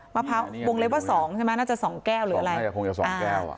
มะพร้าววงเล็บว่า๒ใช่ไหมน่าจะสองแก้วหรืออะไรน่าจะคงจะสองแก้วอ่ะ